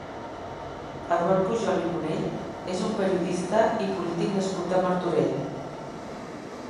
Eduard Pujol i Bonell és un periodista i polític nascut a Martorell.